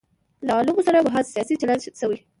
له علومو سره محض سیاسي چلند شوی.